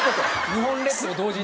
日本列島同時に？